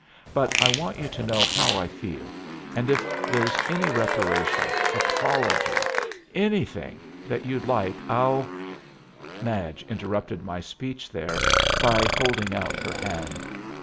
But I want you to know how I feel, and if there's any reparation, apology, anything, that you'd like, I'll " Madge interrupted my speech there by holding out her hand.